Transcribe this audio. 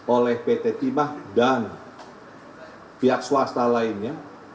oleh pt timah dan pihak swasta lainnya